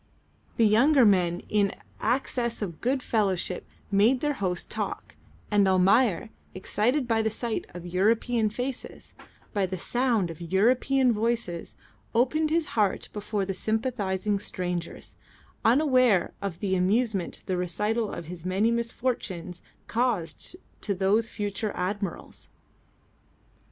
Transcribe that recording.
The younger men in an access of good fellowship made their host talk, and Almayer, excited by the sight of European faces, by the sound of European voices, opened his heart before the sympathising strangers, unaware of the amusement the recital of his many misfortunes caused to those future admirals.